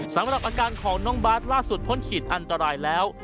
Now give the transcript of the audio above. สำหรับอาการของน้องบาทล่าสุดพ้นขีดอันตรายแล้ว